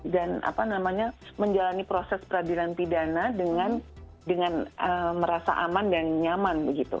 dan menjalani proses peradilan pidana dengan merasa aman dan nyaman